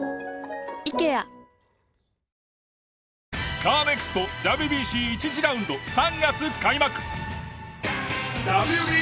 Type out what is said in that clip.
カーネクストＷＢＣ１次ラウンド３月開幕！